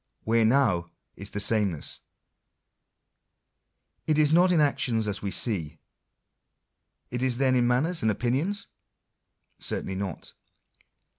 Where now is the sameness ? It is not in actions as we see. Is it then in manners and opinions ? Certainly not.